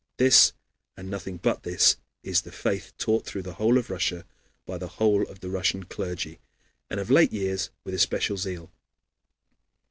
This, and nothing but this, is the faith taught through the whole of Russia by the whole of the Russian clergy, and of late years with especial zeal.